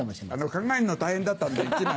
考えんの大変だったんで１枚。